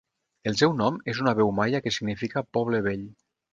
El seu nom és una veu maia que significa 'Poble vell'.